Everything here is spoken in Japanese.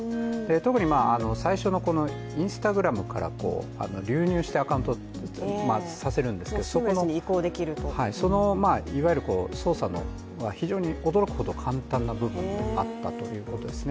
特に最初のＩｎｓｔａｇｒａｍから流入して、アカウントを移行させるんですけどそのいわゆる操作も非常に驚くほど簡単な部分があったということですね。